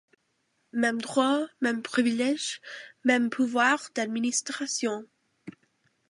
Mêmes droits, mêmes privilèges, mêmes pouvoirs d'administration.